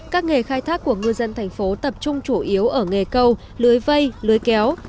các nghề khai thác của ngư dân thành phố tập trung chủ yếu ở nghề câu lưới vây lưới kéo